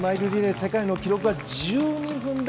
世界の記録は１２分台。